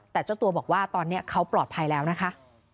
แต่เจ้าตัวบอกว่าตอนนี้เขาปลอดภัยแล้วนะคะ